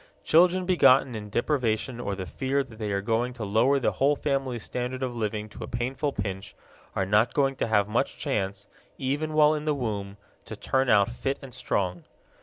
Children begotten in deprivation or the fear that they are going to lower the whole family's standard of living to a painful pinch are not going to have much chance, even while in the womb, to turn out fit and strong.